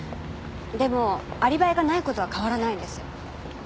でもアリバイがない事は変わらないんです。